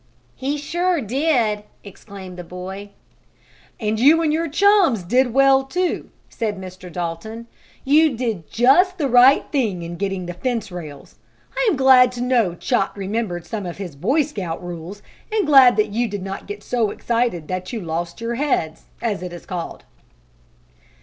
"He sure did!" exclaimed the boy. "And you and your chums did well, too," said Mr. Dalton. "You did just the right thing in getting the fence rails. I am glad to know Chot remembered some of his Boy Scout rules, and glad that you did not get so excited that you 'lost your heads,' as it is called."